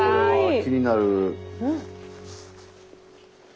気になる。